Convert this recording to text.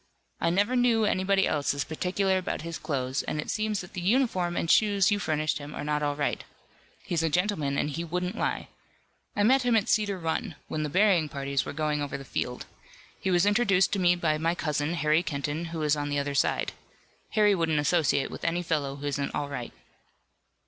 I never knew anybody else as particular about his clothes, and it seems that the uniform and shoes you furnished him are not all right. He's a gentleman and he wouldn't lie. I met him at Cedar Run, when the burying parties were going over the field. He was introduced to me by my cousin, Harry Kenton, who is on the other side. Harry wouldn't associate with any fellow who isn't all right."